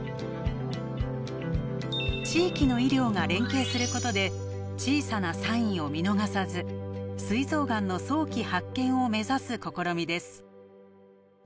地域の医療が連携することで小さなサインを見逃さずすい臓がんの早期発見を目指す試みです。